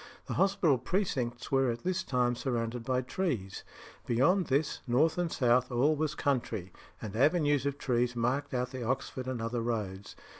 The hospital precincts were at this time surrounded by trees. Beyond this, north and south, all was country; and avenues of trees marked out the Oxford and other roads.